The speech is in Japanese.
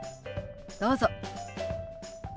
どうぞ。